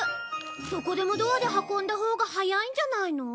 どこでもドアで運んだほうが早いんじゃないの？